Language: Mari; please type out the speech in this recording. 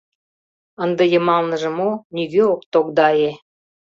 Ынде йымалныже мо, нигӧ ок тогдае.